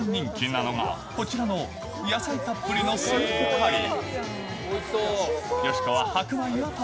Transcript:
中でも一番人気なのがこちらの野菜たっぷりのスープカリー。